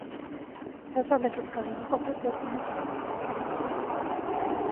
დასავლეთით გამოეყოფა დოფინეს ალპებს.